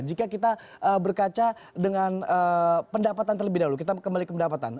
jika kita berkaca dengan pendapatan terlebih dahulu kita kembali ke pendapatan